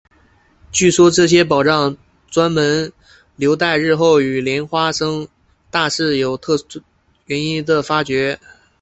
据说这些宝藏专门留待日后与莲花生大士有特殊因缘且高证量的修行人来发觉。